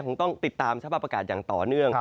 คงต้องติดตามสภาพอากาศอย่างต่อเนื่อง